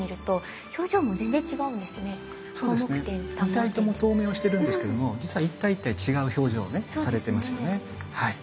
２体とも遠目をしてるんですけども実は一体一体違う表情をねされてますよねはい。